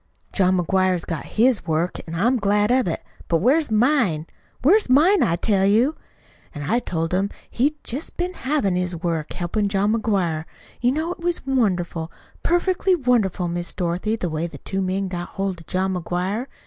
John McGuire's got his work, an' I'm glad of it. But where's mine? Where's mine, I tell you?' "An' I told him he'd jest been havin' his work, helpin' John McGuire. You know it was wonderful, perfectly wonderful, Miss Dorothy, the way them two men got hold of John McGuire.